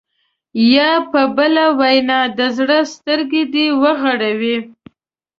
یا په بله وینا د زړه سترګې دې وغړوي.